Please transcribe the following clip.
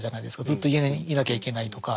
ずっと家にいなきゃいけないとか。